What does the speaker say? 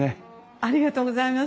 ありがとうございます。